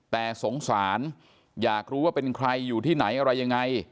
แต่สงสารอยากรู้ว่าเป็นใครอยู่ที่ไหนอะไรยังไง